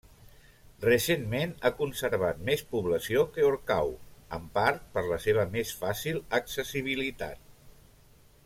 Recentment ha conservat més població que Orcau, en part per la seva més fàcil accessibilitat.